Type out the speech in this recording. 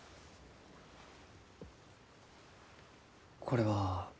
これは？